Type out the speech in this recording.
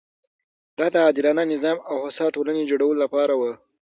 دا د عادلانه نظام او هوسا ټولنې جوړولو لپاره وه.